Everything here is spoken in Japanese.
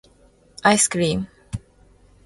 アイスクリーム